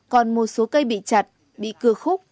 còn một số cây bị chặt bị cưa khúc